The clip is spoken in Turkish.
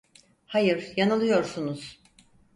Hayır, yanılıyorsunuz.